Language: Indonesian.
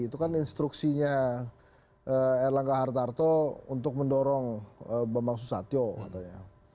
itu kan instruksinya erlangga hartarto untuk mendorong bambang susatyo katanya